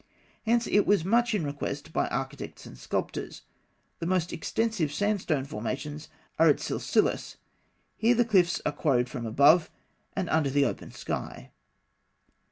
Hence it was much in request by architects and sculptors. The most extensive sandstone formations are at Silsilis (fig. 49). Here the cliffs were quarried from above, and under the open sky.